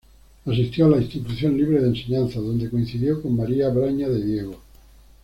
Asistió a la Institución Libre de Enseñanza, donde coincidió con María Braña de Diego.